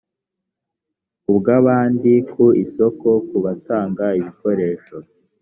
ubw abandi ku isoko ku batanga ibikoresho